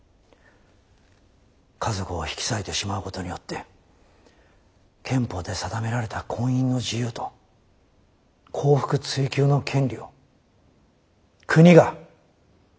家族を引き裂いてしまうことによって憲法で定められた婚姻の自由と幸福追求の権利を国が個人から奪うことができるのかを問うものです。